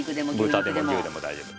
豚でも牛でも大丈夫。